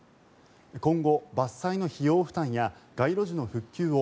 今後、伐採の費用負担や街路樹の復旧を